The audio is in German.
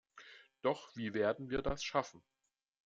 Doch wie werden wir das schaffen?